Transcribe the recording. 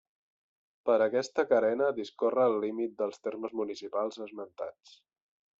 Per aquesta carena discorre el límit dels termes municipals esmentats.